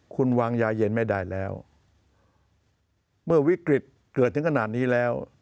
คุณวางยาเย็นไม่ได้แล้วเมื่อวิกฤตเกิดถึงขนาดนี้แล้ว